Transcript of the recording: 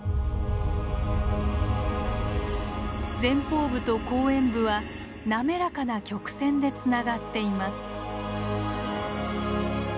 前方部と後円部は滑らかな曲線でつながっています。